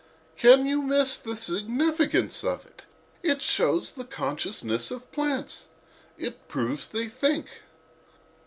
"Can you miss the significance of it? It shows the consciousness of plants. It proves that they think."